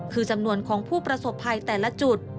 คือจำนวนของผู้ประสบภัยแต่ละจุด